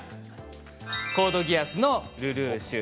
「コードギアス」のルルーシュ